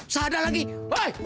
sadar lagi woi